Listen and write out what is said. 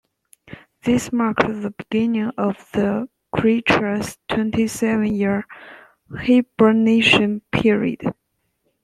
This marked the beginning of the creature's twenty-seven-year hibernation period.